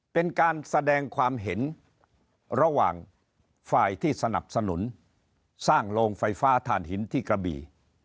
เป็นการแสดงความเห็นระหว่างฝ่ายที่สนับสนุนสร้างโรงไฟฟ้าฐานหินที่กระบี่